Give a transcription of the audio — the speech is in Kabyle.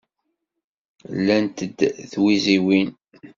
Llant-d d tiwiziwin.